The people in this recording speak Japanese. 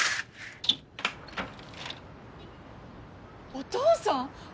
お父さん！